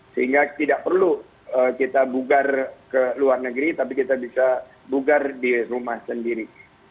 sehingga tidak perlu kita bugar ke luar negeri tapi kita bisa bugar di rumah sendiri